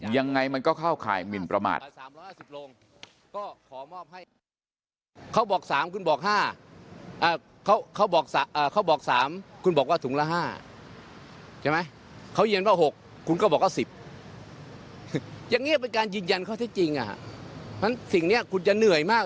ยังไงมันก็เข้าข่ายหมินประมาท